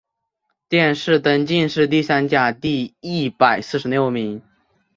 殿试登进士第三甲第一百四十六名。